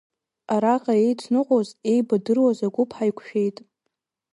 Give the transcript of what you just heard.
Араҟа еицныҟәоз, еибадыруаз агәыԥ ҳаиқәшәеит.